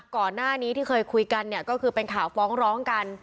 ก่อนหน้านี้ที่เคยคุยกันเนี่ยก็คือเป็นข่าวฟ้องร้องกัน